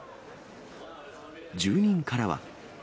住人からは。